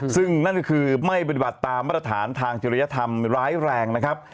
ซึ่งนั่นก็คือไม่ปฏิบัติตามมาตรฐานทางจิริยธรรมร้ายแรงนะครับ